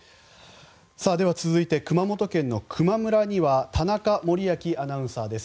続いて熊本県の球磨村には田中杜旺アナウンサーです。